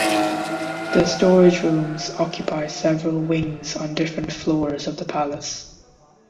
The storage rooms occupy several wings on different floors of the Palace.